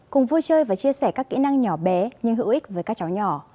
cùng vui chơi và chia sẻ các kỹ năng nhỏ bé nhưng hữu ích với các cháu nhỏ